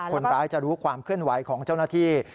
คนร้ายจะรู้ความเคลื่อนไหวของเจ้าหน้าที่